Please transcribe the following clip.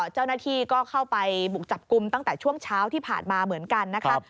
เจ้าหน้าที่ก็เข้าไปบุกจับกลุ่มตั้งแต่ช่วงเช้าที่ผ่านมาเหมือนกันนะคะ